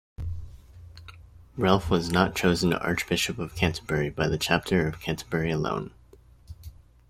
Ralph was not chosen archbishop of Canterbury by the chapter of Canterbury alone.